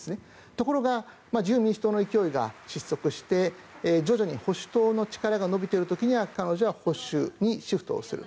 ところが自由民主党の勢いが失速して徐々に保守党の力が伸びている時には彼女は保守にシフトする。